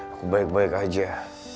aku baik baik aja